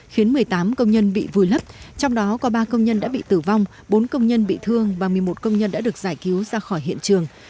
khiến một mươi tám công nhân bị vùi lấp trong đó có ba công nhân đã bị tử vong bốn công nhân bị thương và một mươi một công nhân đã được giải cứu ra khỏi hiện trường